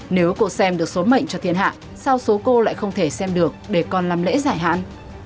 nếu cô xem được số mệnh cho thiên hạ sao số cô lại không thể xem được để còn làm lễ giải hạn